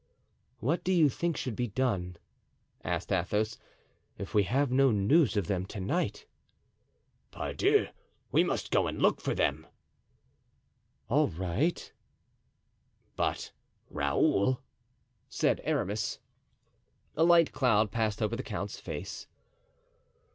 "What do you think should be done," asked Athos, "if we have no news of them to night?" "Pardieu! we must go and look for them." "All right," said Athos. "But Raoul?" said Aramis. A light cloud passed over the count's face.